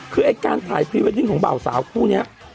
คือไอ้การถ่ายพรีเวดดิ้งของเบาสาวคู่นี้